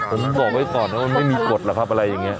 ผมบอกไว้ก่อนนะมันไม่มีกฎหรอกครับอะไรอย่างนี้